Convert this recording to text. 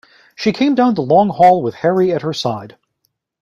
She came down the long hall with Harry at her side.